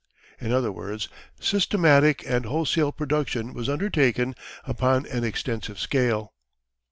In other words, systematic and wholesale production was undertaken upon an extensive scale.